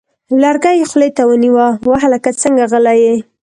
لرګی یې خولې ته ونیوه: وه هلکه څنګه غلی یې!؟